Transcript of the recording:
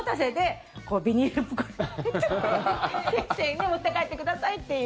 でも、お持たせでビニール袋に入れて先生に持って帰ってくださいっていう。